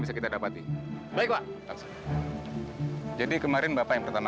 sampai jumpa di video selanjutnya